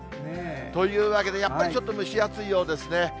というわけで、やっぱりちょっと蒸し暑いようですね。